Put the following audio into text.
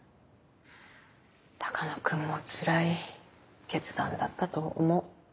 鷹野君もつらい決断だったと思う。